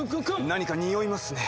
何かにおいますね。